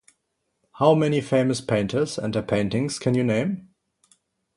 How many famous painters and their paintings can you name?